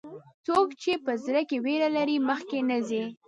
څوک چې په زړه کې ویره لري، مخکې نه ځي.